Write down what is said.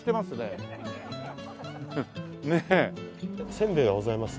せんべいがございますので。